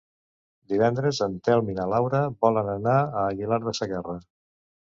Divendres en Telm i na Laura volen anar a Aguilar de Segarra.